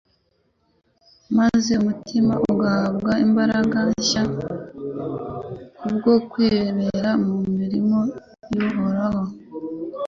maze umutima ugahabwa imbaraga nshya, kubwo kwibera mu mirimo y'Uhoraho.